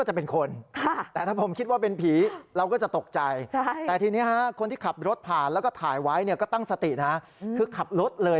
สวัสดีครับทุกคนวันนี้จะเป็นวันที่สุดท้ายในเมืองเมืองสุดท้ายในเมืองสุดท้าย